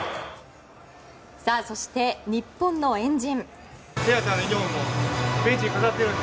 そして、日本の円陣。